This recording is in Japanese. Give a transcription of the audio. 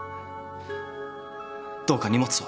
どうか荷物を。